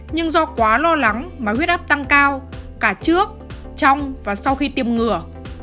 nhưng do quá lo lắng mà huyết áp tăng cao cả trước trong và sau khi tiêm ngừa